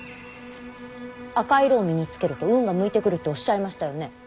赤い色を身に着けると運が向いてくるっておっしゃいましたよね。